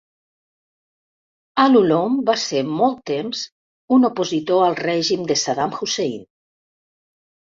Al-Ulloum va ser molt temps un opositor al règim de Saddam Hussein.